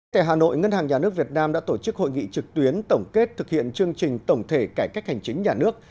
tại hà nội ngân hàng nhà nước việt nam đã tổ chức hội nghị trực tuyến tổng kết thực hiện chương trình tổng thể cải cách hành chính nhà nước